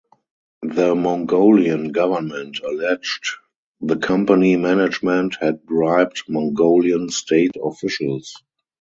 The Mongolian government alleged the company management had bribed Mongolian state officials.